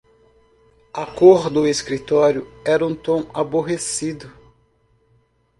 A cor do escritório era um tom aborrecido.